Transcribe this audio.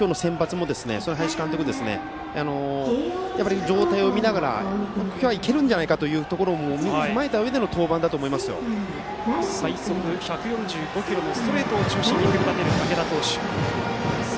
そういう意味では今日の先発も林監督状態を見ながら、今日はいけるんじゃないかというのも踏まえたうえでの登板だと最速１４５キロのストレートを中心に組み立てる竹田投手です。